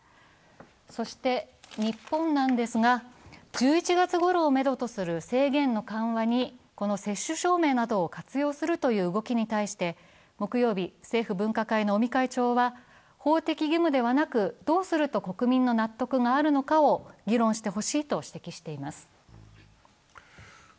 そして日本ですが、１１月ごろをめどとする制限の緩和にこの接種証明などを活用するという動きに対して木曜日、政府分科会の尾身会長は、法的義務ではなくどうすると国民の納得があるのかを議論してほしいと指摘しています。